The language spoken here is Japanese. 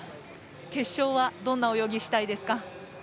決勝は、どんな泳ぎをしたいですか。